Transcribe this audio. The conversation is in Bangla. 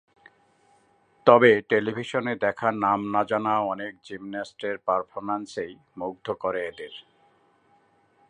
তবে টেলিভিশনে দেখা নাম না-জানা অনেক জিমন্যাস্টের পারফরম্যান্সই মুগ্ধ করে এদের।